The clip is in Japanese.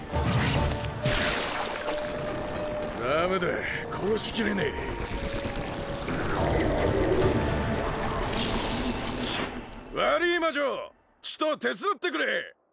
ダメだ殺しきれねえチッ悪い魔女ちと手伝ってくれ！